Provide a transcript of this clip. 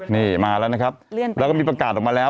นี่มาแล้วนะครับแล้วก็มีประกาศออกมาแล้ว